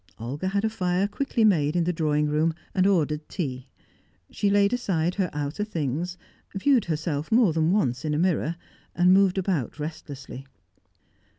Olga had a fire quickly made in the drawing room, and ordered tea. She laid aside her outdoor things, viewed herself more than once in a mirror, and moved about restlessly.